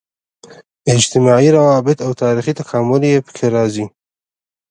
اجتماعي روابط او تاریخي تکامل یې په کې راځي.